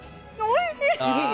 おいしい！